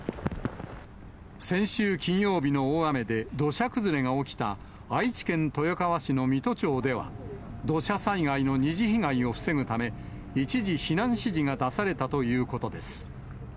先週金曜日の大雨で土砂崩れが起きた、愛知県豊川市の御津町では、土砂災害の二次被害を防ぐため、一時、避難指示が出されたということです。